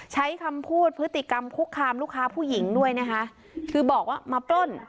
ใช้คำพูดพฤติกรรมคุกคามลูกค้าผู้หญิงด้วยนะคะคือบอกว่ามาปล้น